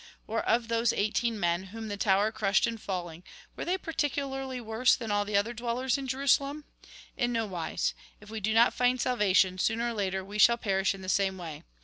" Or of those eighteen men, whom the tower crushed in falling, were they particularly worse than all the other dwellers in Jerusalem ? In no wise. If v/e do not find salvation, sooner or later we shall perish in the same way.